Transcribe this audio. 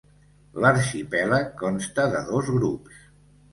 L'arxipèlag consta de dos grups.